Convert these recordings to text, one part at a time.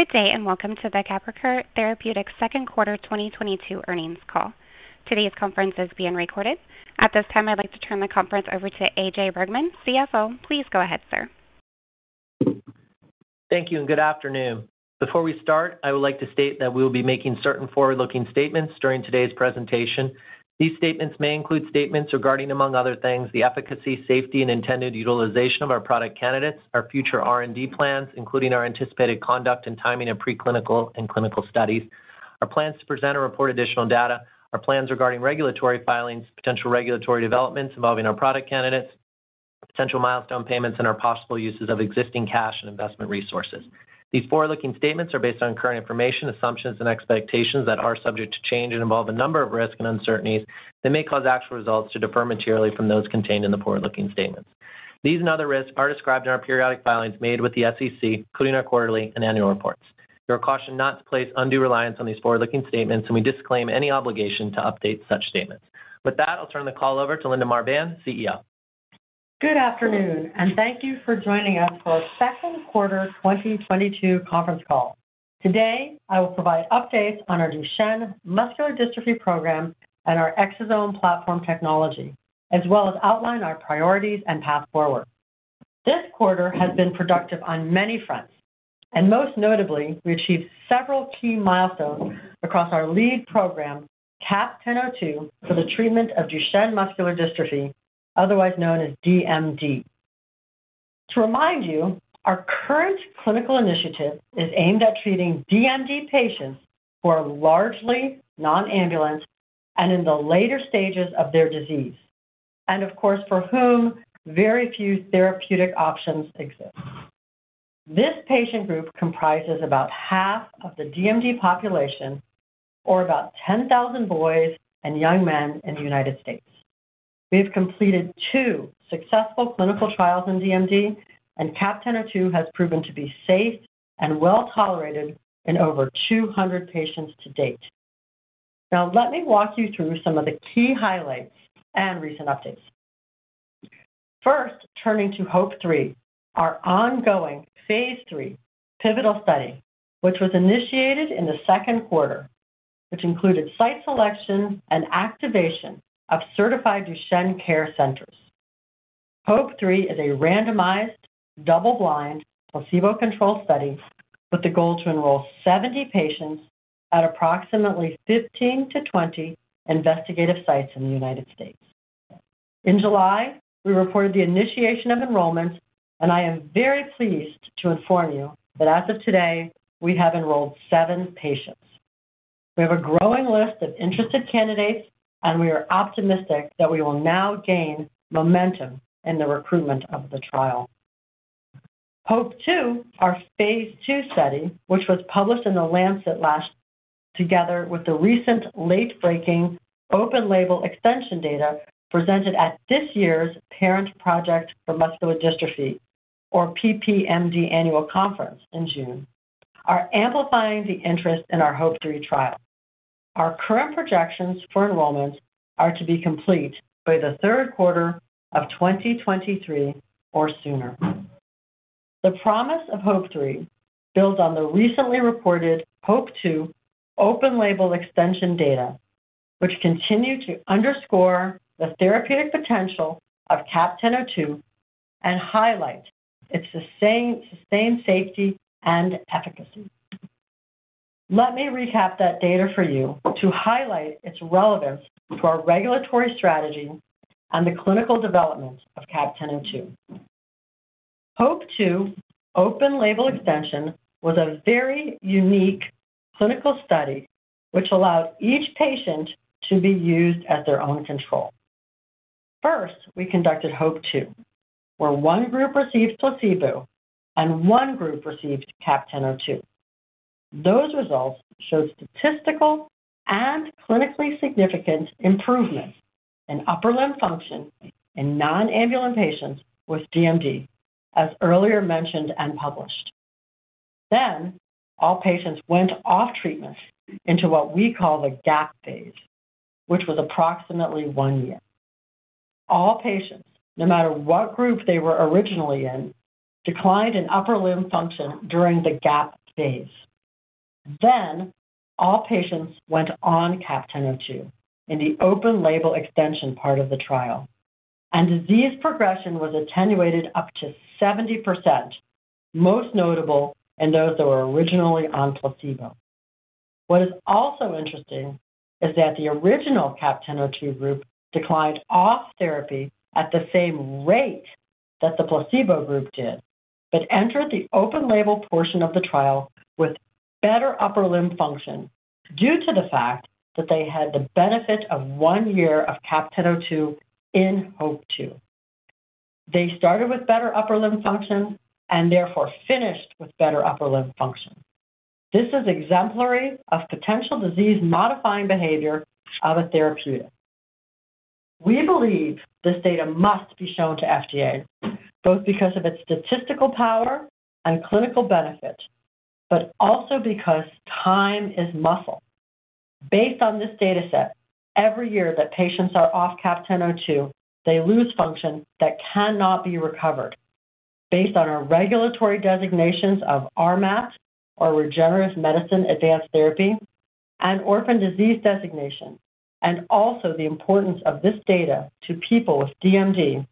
Good day, and welcome to the Capricor Therapeutics second quarter 2022 earnings call. Today's conference is being recorded. At this time, I'd like to turn the conference over to AJ Bergmann, CFO. Please go ahead, sir. Thank you and good afternoon. Before we start, I would like to state that we'll be making certain forward-looking statements during today's presentation. These statements may include statements regarding, among other things, the efficacy, safety, and intended utilization of our product candidates, our future R&D plans, including our anticipated conduct and timing of pre-clinical and clinical studies, our plans to present or report additional data, our plans regarding regulatory filings, potential regulatory developments involving our product candidates, potential milestone payments, and our possible uses of existing cash and investment resources. These forward-looking statements are based on current information, assumptions, and expectations that are subject to change and involve a number of risks and uncertainties that may cause actual results to differ materially from those contained in the forward-looking statements. These and other risks are described in our periodic filings made with the SEC, including our quarterly and annual reports. You are cautioned not to place undue reliance on these forward-looking statements, and we disclaim any obligation to update such statements. With that, I'll turn the call over to Linda Marbán, CEO. Good afternoon, and thank you for joining us for our second quarter 2022 conference call. Today, I will provide updates on our Duchenne muscular dystrophy program and our exosome platform technology, as well as outline our priorities and path forward. This quarter has been productive on many fronts, and most notably, we achieved several key milestones across our lead program, CAP-1002 for the treatment of Duchenne muscular dystrophy, otherwise known as DMD. To remind you, our current clinical initiative is aimed at treating DMD patients who are largely non-ambulant and in the later stages of their disease, and of course, for whom very few therapeutic options exist. This patient group comprises about half of the DMD population or about 10,000 boys and young men in the United States. We've completed two successful clinical trials in DMD, and CAP-1002 has proven to be safe and well-tolerated in over 200 patients to date. Now let me walk you through some of the key highlights and recent updates. First, turning to HOPE-3, our ongoing phase III pivotal study, which was initiated in the second quarter, which included site selection and activation of certified Duchenne care centers. HOPE-3 is a randomized, double-blind, placebo-controlled study with the goal to enroll 70 patients at approximately 15-20 investigational sites in the United States. In July, we reported the initiation of enrollment, and I am very pleased to inform you that as of today, we have enrolled 7 patients. We have a growing list of interested candidates, and we are optimistic that we will now gain momentum in the recruitment of the trial. HOPE-2, our phase II study, which was published in The Lancet together with the recent late-breaking open label extension data presented at this year's Parent Project Muscular Dystrophy or PPMD Annual Conference in June, are amplifying the interest in our HOPE-3 trial. Our current projections for enrollment are to be complete by the third quarter of 2023 or sooner. The promise of HOPE-3 builds on the recently reported HOPE-2 open label extension data, which continue to underscore the therapeutic potential of CAP-1002 and highlight its sustained safety and efficacy. Let me recap that data for you to highlight its relevance to our regulatory strategy and the clinical development of CAP-1002. HOPE-2 open label extension was a very unique clinical study which allowed each patient to be used as their own control. First, we conducted HOPE-2, where one group received placebo and one group received CAP-1002. Those results showed statistical and clinically significant improvement in upper limb function in non-ambulant patients with DMD, as earlier mentioned and published. All patients went off treatment into what we call the gap phase, which was approximately one year. All patients, no matter what group they were originally in, declined in upper limb function during the gap phase. All patients went on CAP-1002 in the open label extension part of the trial, and disease progression was attenuated up to 70%, most notable in those that were originally on placebo. What is also interesting is that the original CAP-1002 group declined off therapy at the same rate that the placebo group did, but entered the open-label portion of the trial with better upper limb function due to the fact that they had the benefit of one year of CAP-1002 in HOPE-2. They started with better upper limb function and therefore finished with better upper limb function. This is exemplary of potential disease-modifying behavior of a therapeutic. We believe this data must be shown to FDA, both because of its statistical power and clinical benefit, but also because time is muscle. Based on this data set, every year that patients are off CAP-1002, they lose function that cannot be recovered. Based on our regulatory designations of RMAT, or Regenerative Medicine Advanced Therapy, and Orphan Drug Designation, and also the importance of this data to people with DMD,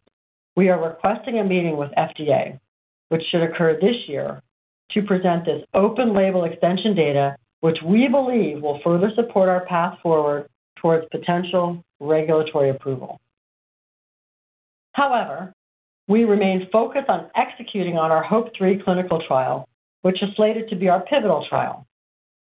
we are requesting a meeting with FDA, which should occur this year, to present this open label extension data, which we believe will further support our path forward towards potential regulatory approval. However, we remain focused on executing on our HOPE-3 clinical trial, which is slated to be our pivotal trial.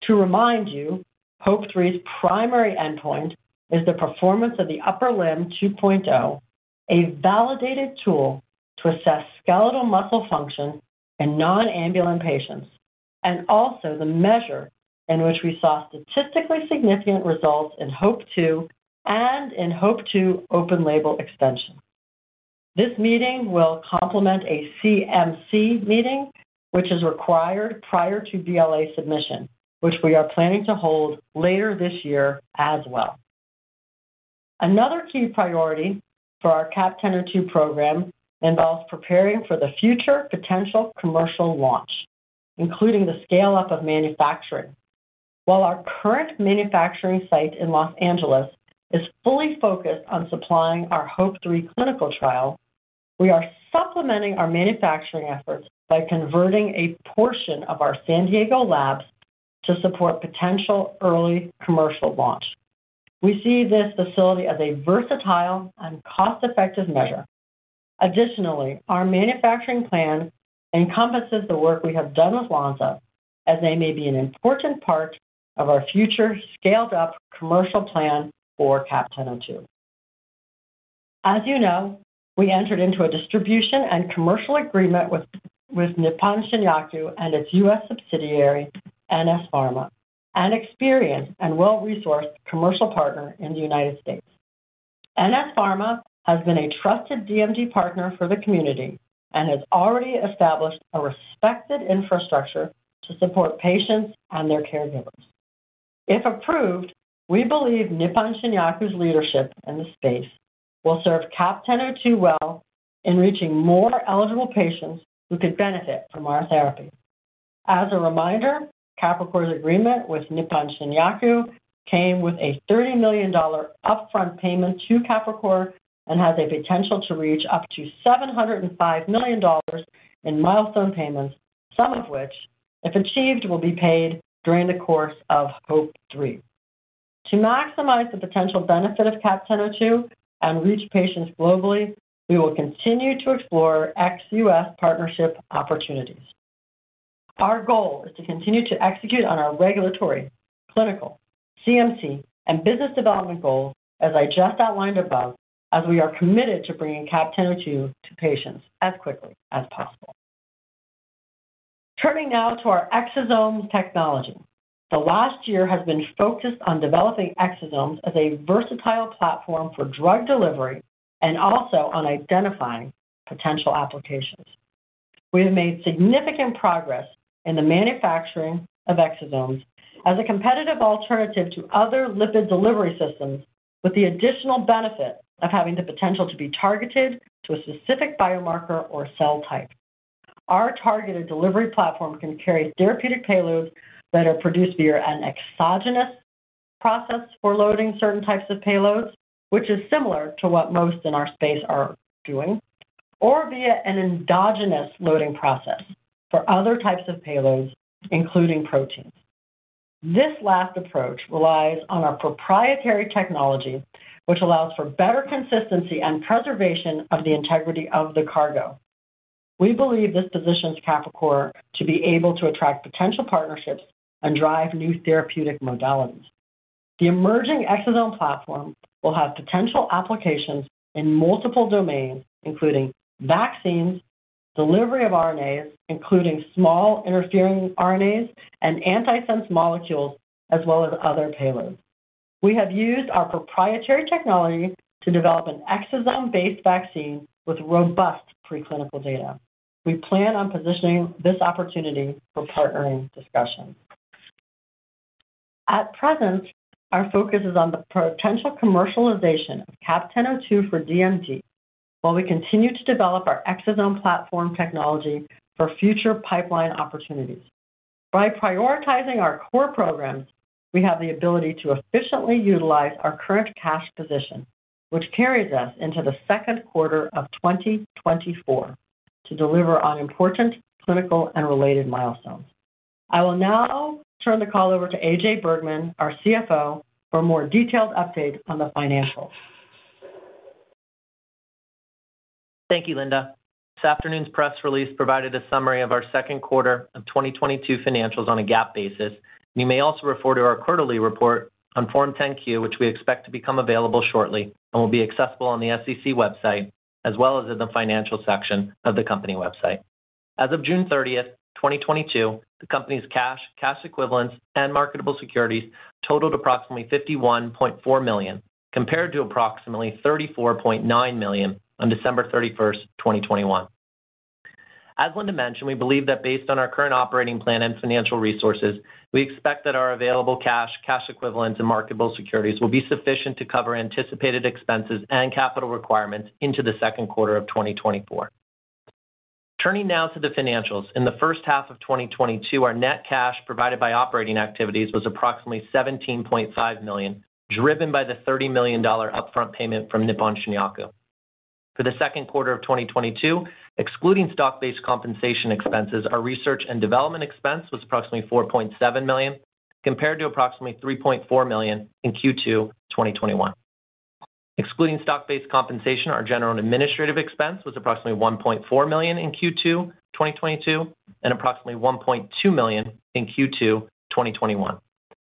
To remind you, HOPE-3's primary endpoint is the Performance of the Upper Limb 2.0, a validated tool to assess skeletal muscle function in non-ambulant patients, and also the measure in which we saw statistically significant results in HOPE-2 and in HOPE-2 open label extension. This meeting will complement a CMC meeting, which is required prior to BLA submission, which we are planning to hold later this year as well. Another key priority for our CAP-1002 program involves preparing for the future potential commercial launch, including the scale-up of manufacturing. While our current manufacturing site in Los Angeles is fully focused on supplying our HOPE-3 clinical trial, we are supplementing our manufacturing efforts by converting a portion of our San Diego labs to support potential early commercial launch. We see this facility as a versatile and cost-effective measure. Additionally, our manufacturing plan encompasses the work we have done with Lonza, as they may be an important part of our future scaled-up commercial plan for CAP-1002. As you know, we entered into a distribution and commercial agreement with Nippon Shinyaku and its U.S. subsidiary, NS Pharma, an experienced and well-resourced commercial partner in the United States. NS Pharma has been a trusted DMD partner for the community and has already established a respected infrastructure to support patients and their caregivers. If approved, we believe Nippon Shinyaku's leadership in the space will serve CAP-1002 well in reaching more eligible patients who could benefit from our therapy. As a reminder, Capricor's agreement with Nippon Shinyaku came with a $30 million upfront payment to Capricor and has a potential to reach up to $705 million in milestone payments, some of which, if achieved, will be paid during the course of HOPE-3. To maximize the potential benefit of CAP-1002 and reach patients globally, we will continue to explore ex-U.S. partnership opportunities. Our goal is to continue to execute on our regulatory, clinical, CMC, and business development goals, as I just outlined above, as we are committed to bringing CAP-1002 to patients as quickly as possible. Turning now to our exosomes technology. The last year has been focused on developing exosomes as a versatile platform for drug delivery and also on identifying potential applications. We have made significant progress in the manufacturing of exosomes as a competitive alternative to other lipid delivery systems with the additional benefit of having the potential to be targeted to a specific biomarker or cell type. Our targeted delivery platform can carry therapeutic payloads that are produced via an exogenous process for loading certain types of payloads, which is similar to what most in our space are doing, or via an endogenous loading process for other types of payloads, including proteins. This last approach relies on our proprietary technology, which allows for better consistency and preservation of the integrity of the cargo. We believe this positions Capricor to be able to attract potential partnerships and drive new therapeutic modalities. The emerging exosome platform will have potential applications in multiple domains, including vaccines, delivery of RNAs, including small interfering RNAs and antisense molecules, as well as other payloads. We have used our proprietary technology to develop an exosome-based vaccine with robust preclinical data. We plan on positioning this opportunity for partnering discussions. At present, our focus is on the potential commercialization of CAP-1002 for DMD, while we continue to develop our exosome platform technology for future pipeline opportunities. By prioritizing our core programs, we have the ability to efficiently utilize our current cash position, which carries us into the second quarter of 2024, to deliver on important clinical and related milestones. I will now turn the call over to AJ Bergmann, our CFO, for a more detailed update on the financials. Thank you, Linda. This afternoon's press release provided a summary of our second quarter of 2022 financials on a GAAP basis. You may also refer to our quarterly report on Form 10-Q, which we expect to become available shortly and will be accessible on the SEC website as well as in the financial section of the company website. As of June 30, 2022, the company's cash equivalents, and marketable securities totaled approximately $51.4 million, compared to approximately $34.9 million on December 31, 2021. As Linda mentioned, we believe that based on our current operating plan and financial resources, we expect that our available cash equivalents, and marketable securities will be sufficient to cover anticipated expenses and capital requirements into the second quarter of 2024. Turning now to the financials. In the first half of 2022, our net cash provided by operating activities was approximately $17.5 million, driven by the $30 million upfront payment from Nippon Shinyaku. For the second quarter of 2022, excluding stock-based compensation expenses, our research and development expense was approximately $4.7 million, compared to approximately $3.4 million in Q2 2021. Excluding stock-based compensation, our general and administrative expense was approximately $1.4 million in Q2 2022 and approximately $1.2 million in Q2 2021.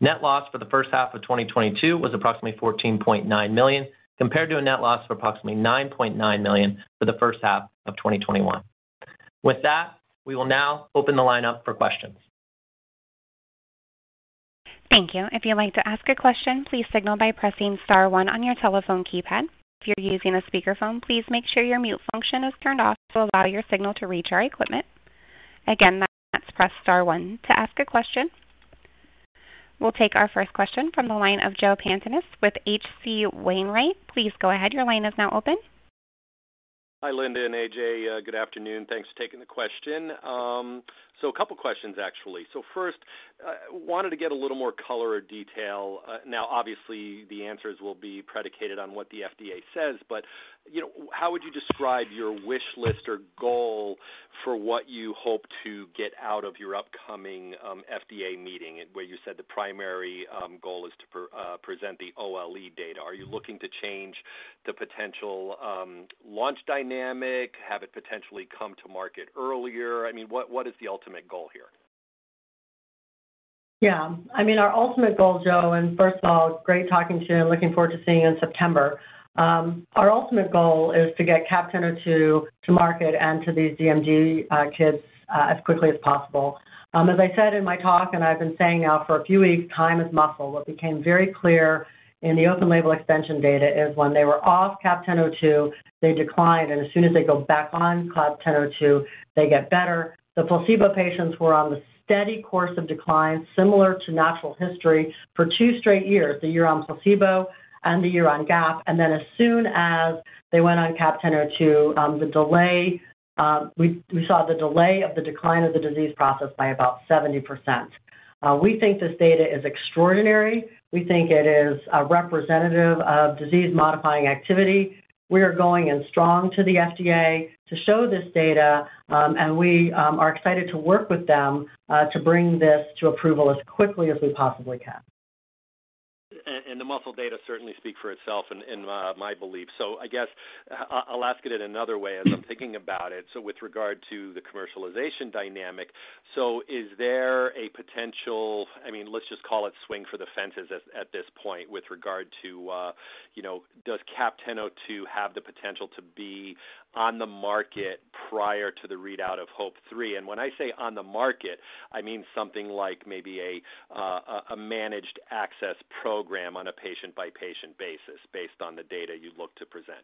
Net loss for the first half of 2022 was approximately $14.9 million, compared to a net loss of approximately $9.9 million for the first half of 2021. With that, we will now open the line up for questions. Thank you. If you'd like to ask a question, please signal by pressing star one on your telephone keypad. If you're using a speakerphone, please make sure your mute function is turned off to allow your signal to reach our equipment. Again, that's press star one to ask a question. We'll take our first question from the line of Joe Pantginis with H.C. Wainwright. Please go ahead, your line is now open. Hi, Linda and AJ. Good afternoon. Thanks for taking the question. Actually, a couple questions. First, wanted to get a little more color or detail. Now, obviously, the answers will be predicated on what the FDA says, but, you know, how would you describe your wish list or goal for what you hope to get out of your upcoming FDA meeting where you said the primary goal is to pre-present the OLE data? Are you looking to change the potential launch dynamic? Have it potentially come to market earlier? I mean, what is the ultimate goal here? Yeah. I mean, our ultimate goal, Joe, and first of all, it's great talking to you. Looking forward to seeing you in September. Our ultimate goal is to get CAP-1002 to market and to these DMD kids as quickly as possible. As I said in my talk, and I've been saying now for a few weeks, time is muscle. What became very clear in the open label extension data is when they were off CAP-1002, they declined, and as soon as they go back on CAP-1002, they get better. The placebo patients were on the steady course of decline, similar to natural history for two straight years, the year on placebo and the year on CAP. As soon as they went on CAP-1002, we saw the delay of the decline of the disease process by about 70%. We think this data is extraordinary. We think it is representative of disease-modifying activity. We are going in strong to the FDA to show this data, and we are excited to work with them to bring this to approval as quickly as we possibly can. The muscle data certainly speak for itself in my belief. I guess I'll ask it in another way as I'm thinking about it. With regard to the commercialization dynamic, is there a potential? I mean, let's just call it swing for the fences at this point with regard to, you know, does CAP-1002 have the potential to be on the market prior to the readout of HOPE-3? When I say on the market, I mean something like maybe a managed access program on a patient-by-patient basis based on the data you look to present.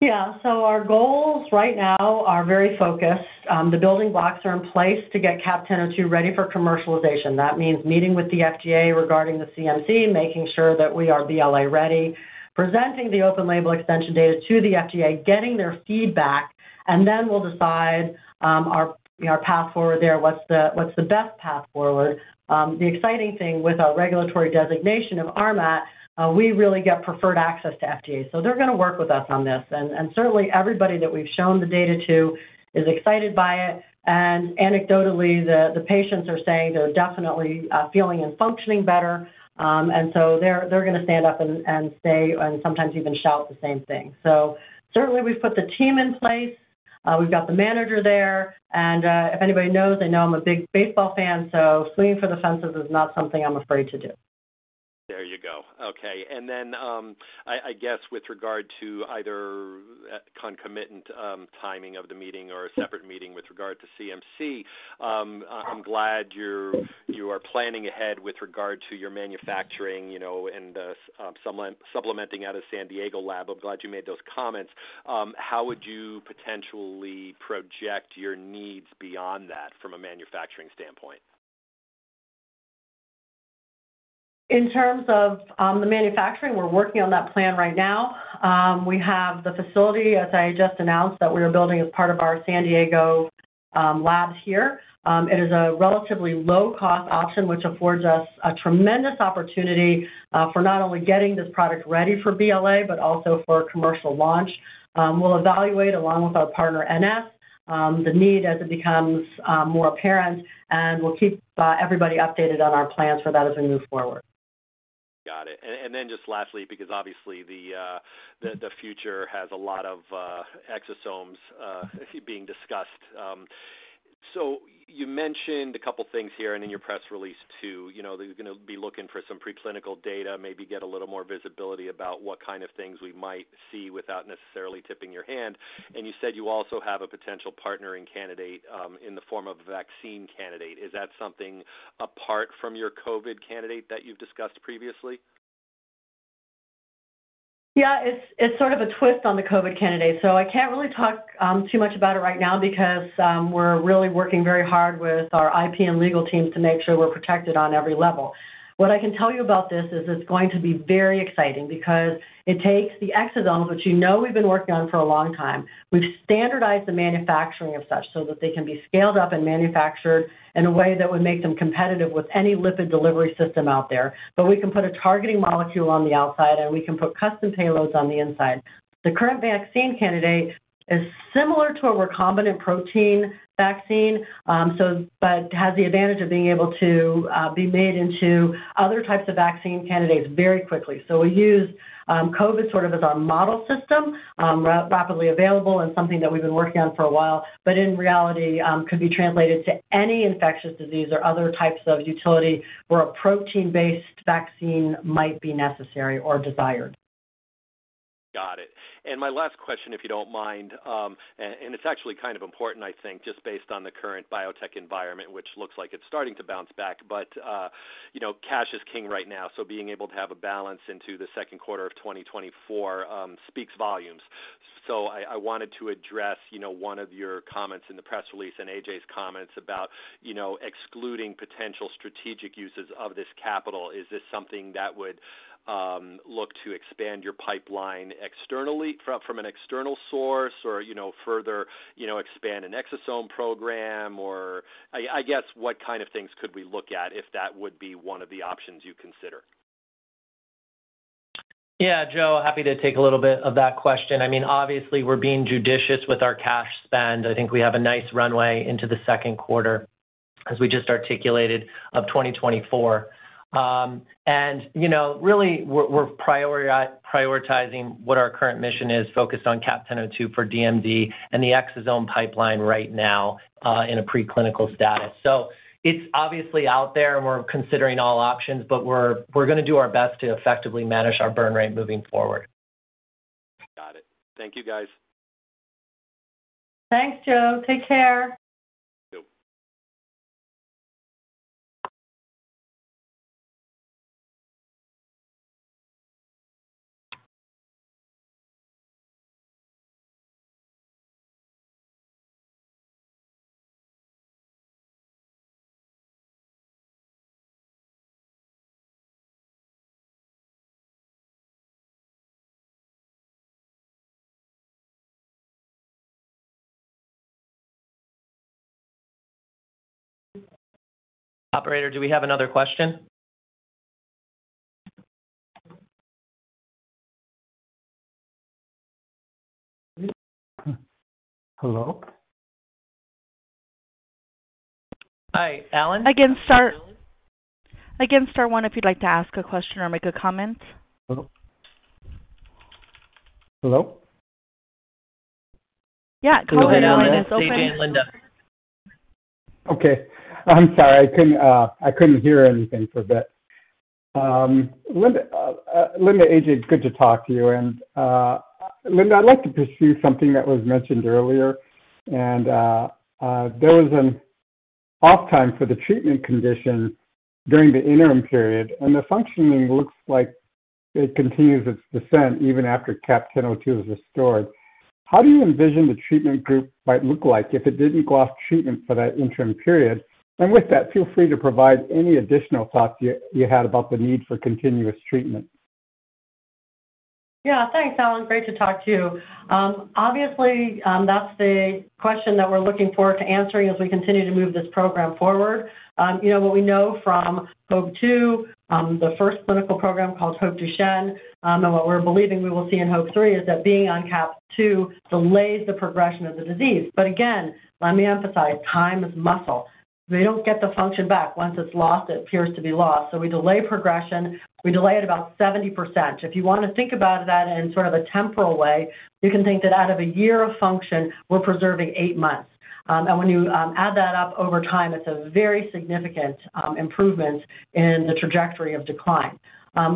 Yeah. Our goals right now are very focused. The building blocks are in place to get CAP-1002 ready for commercialization. That means meeting with the FDA regarding the CMC, making sure that we are BLA-ready, presenting the open label extension data to the FDA, getting their feedback, and then we'll decide our path forward there. What's the best path forward. The exciting thing with our regulatory designation of RMAT, we really get preferred access to FDA. They're going to work with us on this. Certainly everybody that we've shown the data to is excited by it. Anecdotally, the patients are saying they're definitely feeling and functioning better. They're going to stand up and say, and sometimes even shout the same thing. Certainly we've put the team in place. We've got the manager there. If anybody knows, they know I'm a big baseball fan, so swinging for the fences is not something I'm afraid to do. There you go. Okay. I guess with regard to either concomitant timing of the meeting or a separate meeting with regard to CMC, I'm glad you are planning ahead with regard to your manufacturing and supplementing out of San Diego lab. I'm glad you made those comments. How would you potentially project your needs beyond that from a manufacturing standpoint? In terms of the manufacturing, we're working on that plan right now. We have the facility, as I just announced, that we are building as part of our San Diego labs here. It is a relatively low cost option, which affords us a tremendous opportunity for not only getting this product ready for BLA, but also for commercial launch. We'll evaluate along with our partner, NS, the need as it becomes more apparent and we'll keep everybody updated on our plans for that as we move forward. Got it. Then just lastly, because obviously the future has a lot of exosomes being discussed. You mentioned a couple things here and in your press release too. You know, you're gonna be looking for some preclinical data, maybe get a little more visibility about what kind of things we might see without necessarily tipping your hand. You said you also have a potential partnering candidate in the form of a vaccine candidate. Is that something apart from your COVID candidate that you've discussed previously? Yeah, it's sort of a twist on the COVID candidate, so I can't really talk too much about it right now because we're really working very hard with our IP and legal teams to make sure we're protected on every level. What I can tell you about this is it's going to be very exciting because it takes the exosomes, which you know we've been working on for a long time. We've standardized the manufacturing of such so that they can be scaled up and manufactured in a way that would make them competitive with any lipid delivery system out there. But we can put a targeting molecule on the outside, and we can put custom payloads on the inside. The current vaccine candidate is similar to a recombinant protein vaccine, but has the advantage of being able to be made into other types of vaccine candidates very quickly. We use COVID sort of as our model system, rapidly available and something that we've been working on for a while, but in reality could be translated to any infectious disease or other types of utility where a protein-based vaccine might be necessary or desired. Got it. My last question, if you don't mind, and it's actually kind of important I think just based on the current biotech environment, which looks like it's starting to bounce back, but you know, cash is king right now, so being able to have a balance into the second quarter of 2024, speaks volumes. I wanted to address, you know, one of your comments in the press release and AJ's comments about, you know, excluding potential strategic uses of this capital. Is this something that would look to expand your pipeline externally from an external source or, you know, further expand an exosome program? Or I guess what kind of things could we look at if that would be one of the options you consider? Yeah. Joe, happy to take a little bit of that question. I mean, obviously we're being judicious with our cash spend. I think we have a nice runway into the second quarter, as we just articulated, of 2024. You know, really we're prioritizing what our current mission is, focused on CAP-1002 for DMD and the exosome pipeline right now, in a preclinical status. It's obviously out there and we're considering all options, but we're gonna do our best to effectively manage our burn rate moving forward. Got it. Thank you guys. Thanks, Joe. Take care. You too. Operator, do we have another question? Hello? All right. Alan? Again, star one if you'd like to ask a question or make a comment. Hello? Yeah. Go ahead, Alan. It's open. AJ and Linda. Okay. I'm sorry. I couldn't hear anything for a bit. Linda, AJ, it's good to talk to you. Linda, I'd like to pursue something that was mentioned earlier and there was an off time for the treatment condition during the interim period, and the functioning looks like it continues its descent even after CAP-1002 is restored. How do you envision the treatment group might look like if it didn't go off treatment for that interim period? With that, feel free to provide any additional thoughts you had about the need for continuous treatment. Yeah. Thanks, Alan. Great to talk to you. Obviously, that's the question that we're looking forward to answering as we continue to move this program forward. You know, what we know from HOPE-2, the first clinical program called Hope Duchenne, and what we're believing we will see in HOPE-3 is that being on CAP two delays the progression of the disease. But again, let me emphasize, time is muscle. We don't get the function back. Once it's lost, it appears to be lost. We delay progression. We delay it about 70%. If you wanna think about that in sort of a temporal way, you can think that out of a year of function, we're preserving 8 months. When you add that up over time, it's a very significant improvement in the trajectory of decline.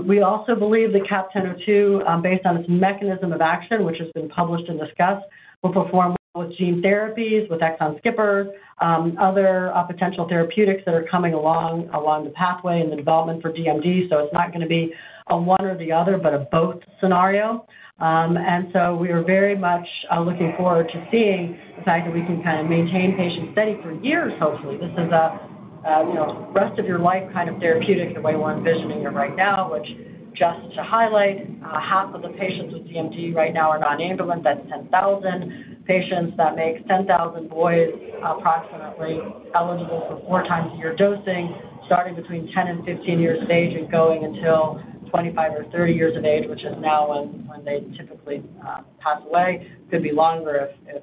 We also believe that CAP-1002, based on its mechanism of action, which has been published and discussed, will perform well with gene therapies, with exon skipping, other potential therapeutics that are coming along the pathway in the development for DMD. It's not gonna be a one or the other but a both scenario. We are very much looking forward to seeing the fact that we can kind of maintain patients steady for years, hopefully. This is a you know, rest of your life kind of therapeutic, the way we're envisioning it right now, which just to highlight, half of the patients with DMD right now are non-ambulatory. That's 10,000 patients. That makes 10,000 boys approximately eligible for 4x a year dosing, starting between 10 and 15 years of age and going until 25 or 30 years of age, which is now when they typically pass away. Could be longer if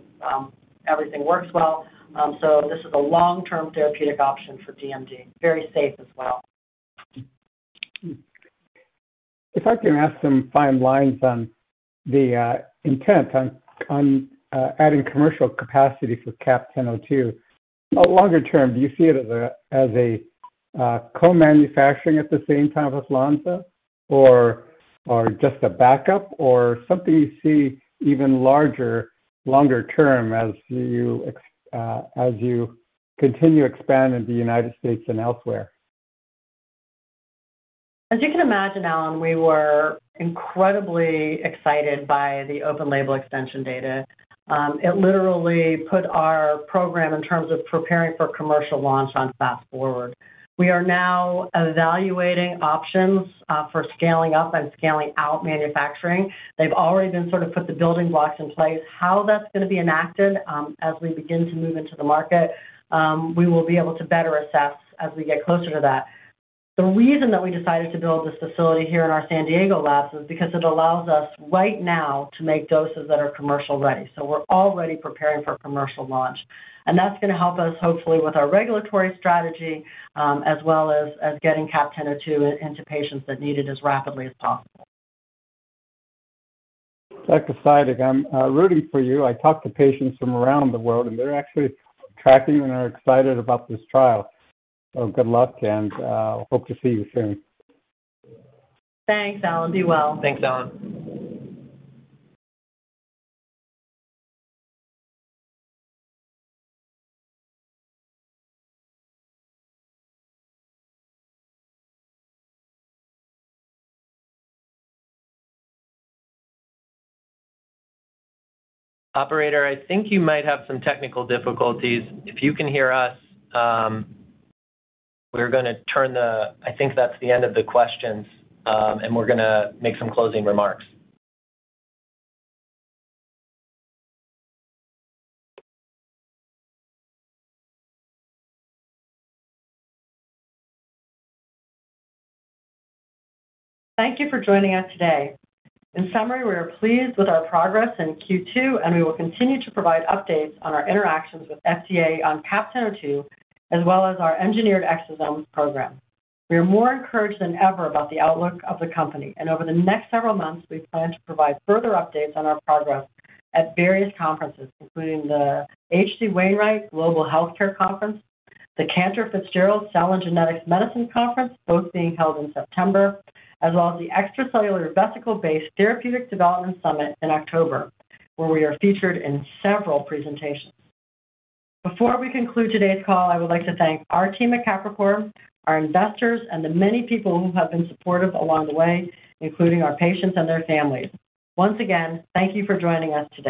everything works well. This is a long-term therapeutic option for DMD. Very safe as well. If I can ask some final lines on the intent on adding commercial capacity for CAP-1002. Longer term, do you see it as a co-manufacturing at the same time with Lonza or just a backup or something you see even larger, longer term as you continue expanding in the United States and elsewhere. As you can imagine, Alan, we were incredibly excited by the open label extension data. It literally put our program in terms of preparing for commercial launch on fast-forward. We are now evaluating options for scaling up and scaling out manufacturing. They've already sort of put the building blocks in place. How that's gonna be enacted as we begin to move into the market, we will be able to better assess as we get closer to that. The reason that we decided to build this facility here in our San Diego labs is because it allows us right now to make doses that are commercially ready. We're already preparing for commercial launch, and that's gonna help us hopefully with our regulatory strategy, as well as getting CAP-1002 into patients that need it as rapidly as possible. Dr. Marbán, I'm rooting for you. I talk to patients from around the world and they're actually tracking you and are excited about this trial. Good luck and hope to see you soon. Thanks, Alan. Be well. Thanks, Alan. Operator, I think you might have some technical difficulties. If you can hear us, I think that's the end of the questions, and we're gonna make some closing remarks. Thank you for joining us today. In summary, we are pleased with our progress in Q2, and we will continue to provide updates on our interactions with FDA on CAP-1002 as well as our engineered exosomes program. We are more encouraged than ever about the outlook of the company, and over the next several months, we plan to provide further updates on our progress at various conferences, including the H.C. Wainwright Global Investment Conference, the Cantor Fitzgerald Cell and Genetic Medicines Conference, both being held in September, as well as the Exosome-Based Therapeutic Development Summit in October, where we are featured in several presentations. Before we conclude today's call, I would like to thank our team at Capricor, our investors, and the many people who have been supportive along the way, including our patients and their families. Once again, thank you for joining us today.